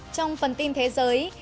trong phần tin thế giới